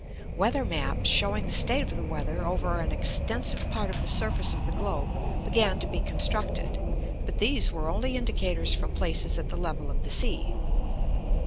Weather maps, showing the state of the weather over an extensive part of the surface of the globe, began to be constructed; but these were only indicators from places at the level of the sea.